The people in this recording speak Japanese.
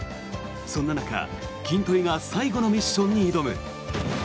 そんな中、キントリが最後のミッションに挑む！